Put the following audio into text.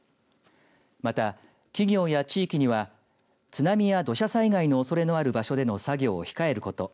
また、企業や地域には津波や土砂災害のおそれのある場所での作業を控えること。